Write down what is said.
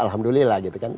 alhamdulillah gitu kan